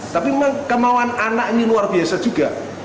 tapi memang kemauan anak ini luar biasa juga